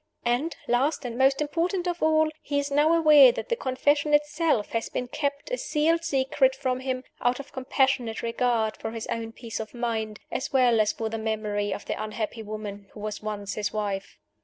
And, last and most important of all, he is now aware that the Confession itself has been kept a sealed secret from him, out of compassionate regard for his own peace of mind, as well as for the memory of the unhappy woman who was once his wife.